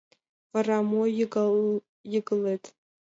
— Вара мом йыгылет?